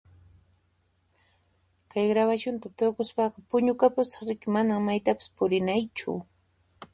Kay grabashunta tukuspaqa puñukapusaq riki, mana maytapas purinaychu.